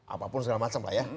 apapun segala macam lah ya